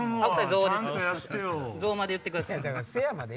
「ぞ」まで言ってください。